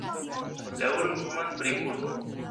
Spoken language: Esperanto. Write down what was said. La urbo famas pri bulbo.